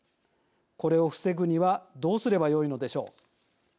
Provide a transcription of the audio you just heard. これを防ぐにはどうすればよいのでしょう。